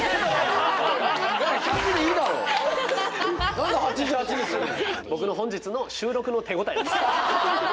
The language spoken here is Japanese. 何で８８にすんの。